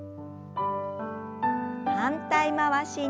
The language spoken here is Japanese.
反対回しに。